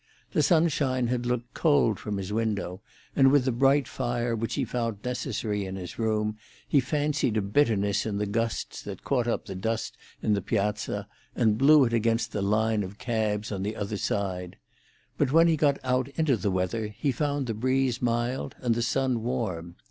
The sunshine had looked cold from his window, and with the bright fire which he found necessary in his room, he fancied a bitterness in the gusts that caught up the dust in the piazza, and blew it against the line of cabs on the other side; but when he got out into the weather he found the breeze mild and the sun warm.